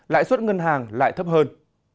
lãi suất ngân hàng lại thấp hơn